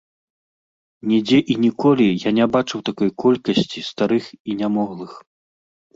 Нідзе і ніколі я не бачыў такой колькасці старых і нямоглых.